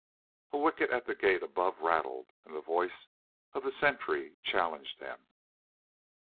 A wicket at the gate above rattled and the voice of the sentry challenged them.